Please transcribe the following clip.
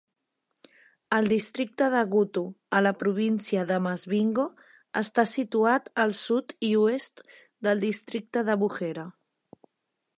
El districte de Gutu a la província de Masvingo està situat al sud i oest del districte de Buhera.